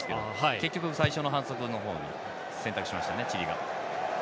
結局、最初の反則の方を選択しましたね、チリが。